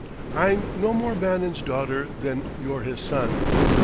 I'm no more Bannon's daughter than you're his son.